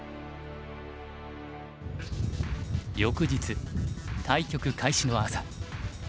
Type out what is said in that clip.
翌日対局開始の朝。